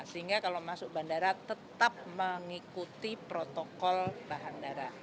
sehingga kalau masuk bandara tetap mengikuti protokol bahan darah